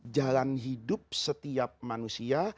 jalan hidup setiap manusia